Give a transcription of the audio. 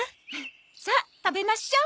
さあ食べましょう！